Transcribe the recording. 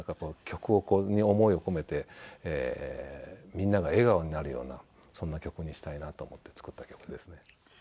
曲に思いを込めてみんなが笑顔になるようなそんな曲にしたいなと思って作った曲ですね。